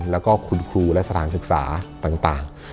แล้วก็คุณครูและสถานศึกษาต่าง